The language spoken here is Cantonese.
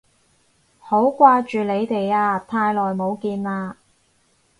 好掛住你哋啊，太耐冇見喇